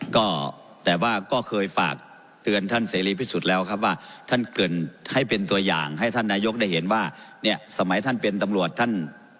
ก็แต่ว่าก็เคยฝากเตือนท่านเสรีพิสุทธิ์แล้วครับว่าท่านเกิดให้เป็นตัวอย่างให้ท่านนายกได้เห็นว่าเนี่ยสมัยท่านเป็นตำรวจท่าน